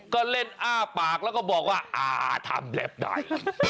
ก็เล่นอ้าปากแล้วก็บอกว่าทำเล็บหน่อย